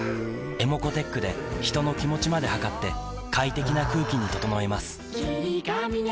ｅｍｏｃｏーｔｅｃｈで人の気持ちまで測って快適な空気に整えます